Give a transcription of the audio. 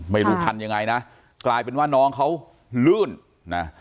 ไม่รู้ทันยังไงนะกลายเป็นว่าน้องเขาลื่นนะ